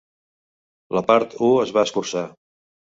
La part I es va escurçar.